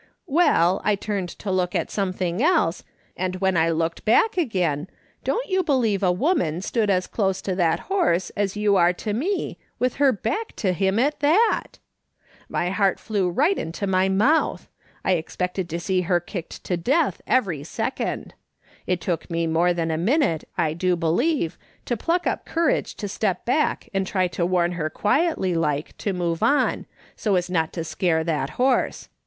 Well, I turned to look at some thing else, and when I looked back again, don't you believe a woman stood as close to that horse as you are to me, with her back to him at that! 214 J^^S. SOLOMON SMITH LOOKING ON. My heart flew right into my mouth ; I expected to see lier kicked to death every second. It took me more than a minute, I do believe, to pluck up courage to step back and try to warn her quietly like to move on, so as not to scare that horse.